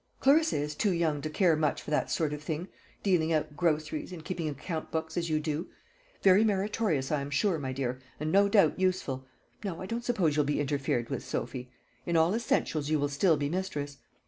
"Clarissa is too young to care much for that sort of thing dealing out groceries, and keeping account books, as you do. Very meritorious, I am sure, my dear, and no doubt useful. No, I don't suppose you'll be interfered with, Sophy. In all essentials you will still be mistress.